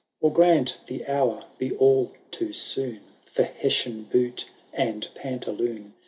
II. Or grant the hour be all too soon For Hessian boot and pantaloon.